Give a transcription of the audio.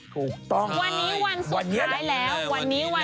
วันนี้วันสุดท้ายแล้ว